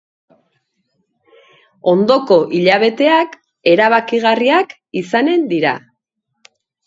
Ondoko hilabeteak erabakigarriak izanen dira.